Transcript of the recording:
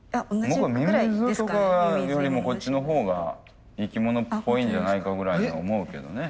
僕ミミズとかよりもこっちのほうが生き物っぽいんじゃないかぐらいに思うけどね。